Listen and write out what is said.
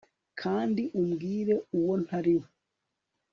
kandi umbwire uwo ntari we